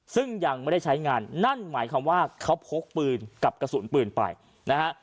ซึ่งยังไม่ได้ใช้งานนั่นหมายความว่าเขาพกปืนกับกระสุนปืนไปนะฮะ